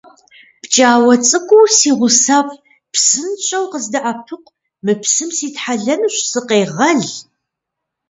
ПкӀауэ цӀыкӀуу си гъусэфӀ, псынщӀэу къыздэӀэпыкъу, мы псым ситхьэлэнущ, сыкъегъэл!